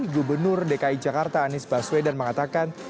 gubernur dki jakarta anies baswedan mengatakan